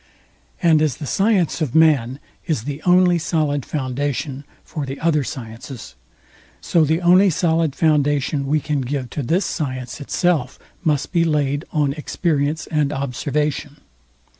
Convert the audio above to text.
And as the science of man is the only solid foundation for the other sciences, so the only solid foundation we can give to this science itself must be laid on experience and observation.